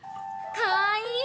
かわいい！